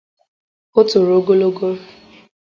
O toro ogologo